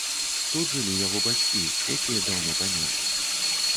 Тут жылі яго бацькі, якія даўно памерлі.